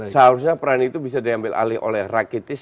seharusnya peran itu bisa diambil alih oleh rakitis